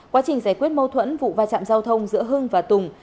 quá trình giải quyết mâu thuẫn vụ va chạm giao thông giữa hưng và tùng